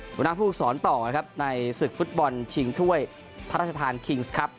หัวหน้าผู้ฝึกสอนต่อนะครับในศึกฟุตบอลชิงถ้วยพระราชทานคิงส์ครับ